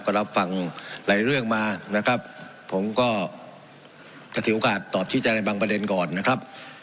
ก็รับฟังหลายเรื่องมานะครับผมก็จะถือโอกาสตอบชี้แจงในบางประเด็นก่อนนะครับ